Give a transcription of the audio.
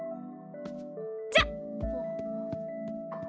じゃあ！